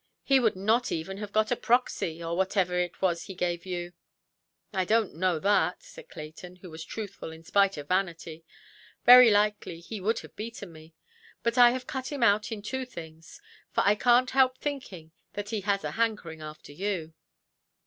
He would not even have got a proxy, or whatever it was he gave you". "I donʼt know that", said Clayton, who was truthful in spite of vanity; "very likely he would have beaten me. But I have cut him out in two things; for I canʼt help thinking that he has a hankering after you".